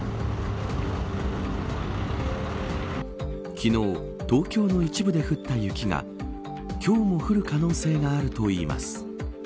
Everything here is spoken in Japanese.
昨日、東京の一部で降った雪が今日も降る可能性があるといいます。